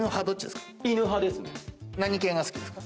何犬が好きですか？